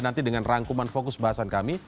nanti dengan rangkuman fokus bahasan kami